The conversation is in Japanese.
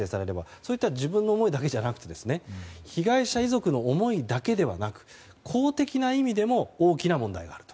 そういった自分の思いだけじゃなくて被害者遺族の思いだけではなく公的な意味でも大きな問題があると。